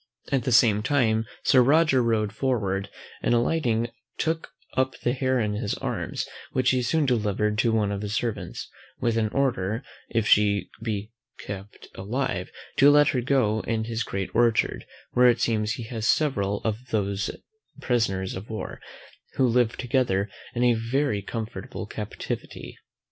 At the same time Sir Roger rode forward, and alighting, took up the hare in his arms; which he soon delivered up to one of his servants, with an order, if she could be kept alive, to let her go in his great orchard; where it seems he has several of these prisoners of war, who live together in a very comfortable captivity.